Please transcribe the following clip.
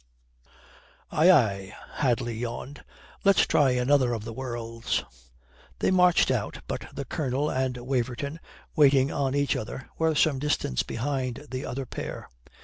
"Aye, aye," Hadley yawned. "Let's try another of the worlds." They marched out, but the Colonel and Waverton, waiting on each other, were some distance behind the other pair.